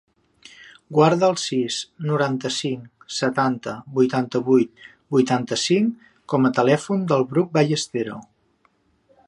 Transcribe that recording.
Guarda el sis, noranta-cinc, setanta, vuitanta-vuit, vuitanta-cinc com a telèfon del Bruc Ballestero.